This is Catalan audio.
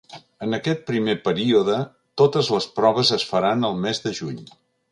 En aquest primer període, totes les proves es faran al mes de juny.